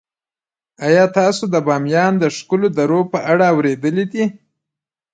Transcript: آیا تاسو د بامیان د ښکلو درو په اړه اوریدلي دي؟